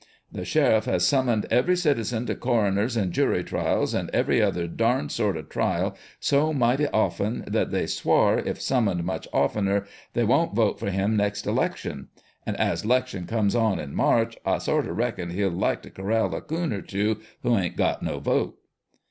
The sheriff has sum moned every citizen to coroners' and jury trials, and every other darned sort of trial, so mighty often, that they swar, if summoned much oftener, they won't vote for him next election. And as 'lection comes on in March, I sorter reckon he'll like to corall a coon or two who ain't got no vote."